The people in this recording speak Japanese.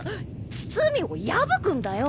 包みを破くんだよ！